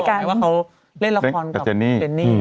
ลายว่าเขาเล่นละครกับเจนนี่